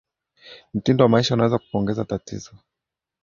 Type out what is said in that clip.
mitindo wa maisha unaweza kuongeza tatizo